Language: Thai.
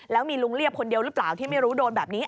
แล้วมีลุงเรียบคนเดียวหรือเปล่าที่ไม่รู้โดนแบบนี้